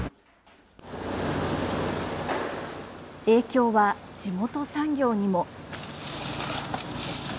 影響は地元産業にも。